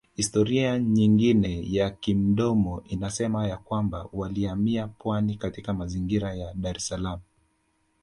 Historia nyingine ya kimdomo inasema ya kwamba walihamia pwani katika mazingira ya Daressalaam